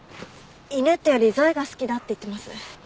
「犬っていうよりゾイが好きだ」って言ってます。